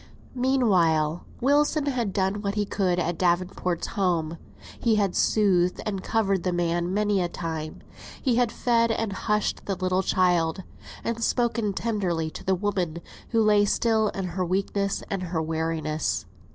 Meanwhile, Wilson had done what he could at Davenport's home. He had soothed, and covered the man many a time; he had fed and hushed the little child, and spoken tenderly to the woman, who lay still in her weakness and her weariness.